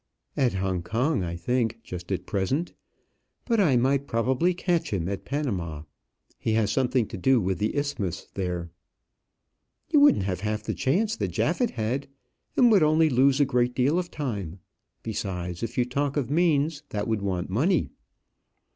"At Hong Kong, I think, just at present; but I might probably catch him at Panama; he has something to do with the isthmus there." "You wouldn't have half the chance that Japhet had, and would only lose a great deal of time. Besides, if you talk of means, that would want money."